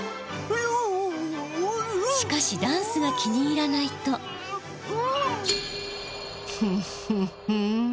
しかしダンスが気に入らないとフッフッフ。